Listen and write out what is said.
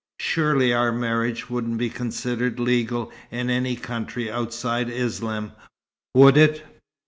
Surely our marriage wouldn't be considered legal in any country outside Islam, would it?